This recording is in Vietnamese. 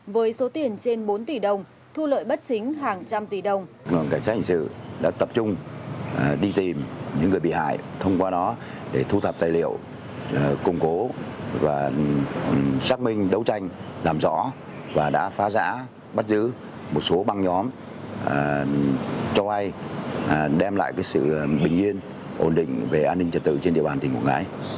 với số tiền trên bốn tỷ đồng thu lợi bất chính hàng trăm tỷ đồng